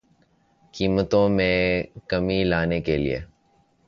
قیمتوں میں کمی لانے کیلئے